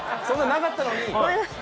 そんなのなかったのに。